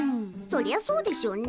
そりゃそうでしょうね。